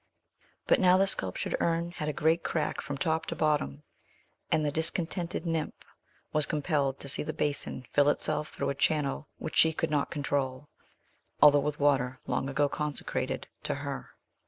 But now the sculptured urn had a great crack from top to bottom; and the discontented nymph was compelled to see the basin fill itself through a channel which she could not control, although with water long ago consecrated to her.